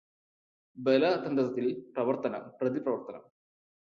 ബലതന്ത്രത്തിൽ പ്രവർത്തനം, പ്രതിപ്രവർത്തനം